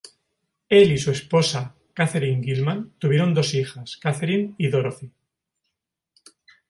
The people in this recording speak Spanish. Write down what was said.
Él y su esposa, Katherine Gilman, tuvieron dos hijas, Katharine y Dorothy.